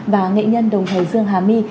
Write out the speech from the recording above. và nghệ nhân đồng thời dương hà my